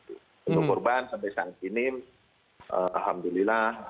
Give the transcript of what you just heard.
untuk korban sampai saat ini alhamdulillah tidak ada